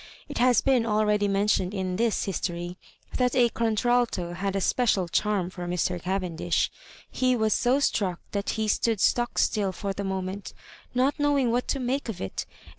It has been already mentioned in this his tory that a contralto had a special charm for Mr. Cavendish. He was so struck that he stood stock still for the moment, not knowing what to make of it; and